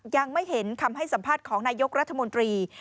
ยังไม่เห็นคำให้สัมภาษณ์ของนายกรัฐมนตรี